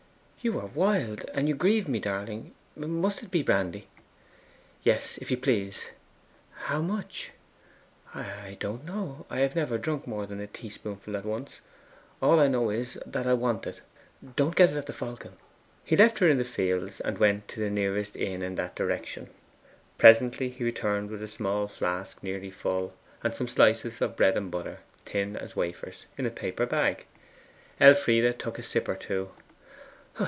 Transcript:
'You are wild; and you grieve me, darling. Must it be brandy?' 'Yes, if you please.' 'How much?' 'I don't know. I have never drunk more than a teaspoonful at once. All I know is that I want it. Don't get it at the Falcon.' He left her in the fields, and went to the nearest inn in that direction. Presently he returned with a small flask nearly full, and some slices of bread and butter, thin as wafers, in a paper bag. Elfride took a sip or two.